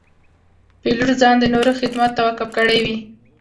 پیلوټ ځان د نورو خدمت ته وقف کړی وي.